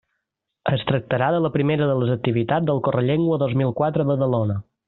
Es tractarà de la primera de les activitats del Correllengua dos mil quatre a Badalona.